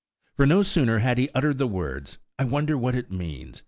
For no sooner had he uttered the words, "I wonder what it means!